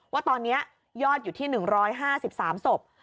ว่าตอนนี้ยอดอยู่ที่๑๕๓ศพ